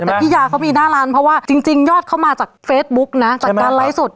แต่พี่ยาเขามีหน้าร้านเพราะว่าจริงยอดเขามาจากเฟซบุ๊กนะจากการไลฟ์สด